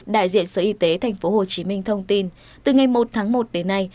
đại diện sở y tế tp hcm thông tin từ ngày một tháng một đến nay